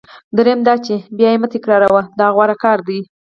دریم دا چې بیا یې مه تکراروئ دا غوره کار دی.